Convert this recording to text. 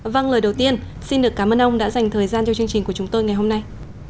vâng lời đầu tiên xin được cảm ơn ông đã dành thời gian cho chương trình của chúng tôi ngày hôm nay